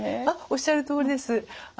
あっおっしゃるとおりです。